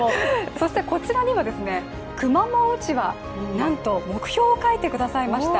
そしてこちらにはくまもんうちわ、なんと目標を書いてくださいました。